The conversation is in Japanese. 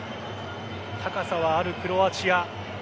高さはあるクロアチア。